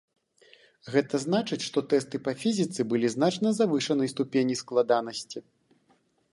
Гэта значыць, што тэсты па фізіцы былі значна завышанай ступені складанасці.